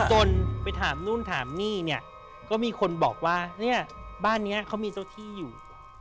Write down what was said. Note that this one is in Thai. จนไปถามนู่นถามนี่เนี่ยก็มีคนบอกว่าเนี่ยบ้านนี้เขามีเจ้าที่อยู่